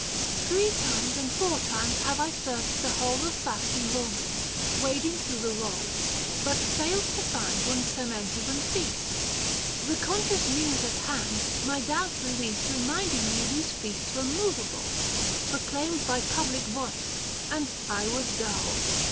Three times and four times have I searched the whole Of Fasti Eoman, wading through the roll, But failed to find one Sementivan feast. The conscious Muse at hand, my doubt released, 710 Keminding me these feasts were moveable, Proclaimed by public voice, and I was dull.